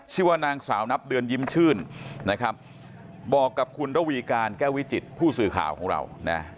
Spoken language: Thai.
ชื่อว่านางสาวนับเดือนยิ้มชื่นนะครับบอกกับคุณระวีการแก้ววิจิตผู้สื่อข่าวของเรานะ